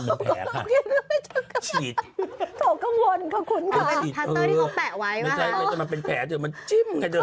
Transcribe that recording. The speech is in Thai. สวยขนาดนี้ต้องพึ่งแพทย์หรือเปล่าแม่